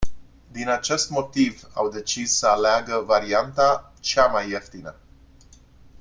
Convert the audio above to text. Din acest motiv au decis să aleagă varianta cea mai ieftină.